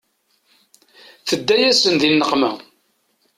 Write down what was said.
Tedda-yasen di nneqma.